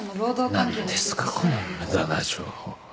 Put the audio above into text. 何ですかこの無駄な情報は。